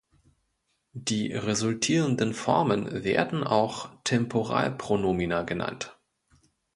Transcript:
Die resultierenden Formen werden auch Temporal-Pronomina genannt.